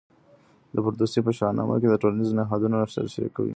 د فردوسي په شاه نامه کې ټولنیز نهادونه تشریح کوي.